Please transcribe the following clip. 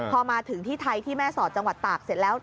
พอมาถึงที่ไทยที่แม่สอดจังหวัดตากเสร็จแล้ว